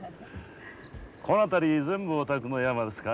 この辺り全部お宅の山ですか？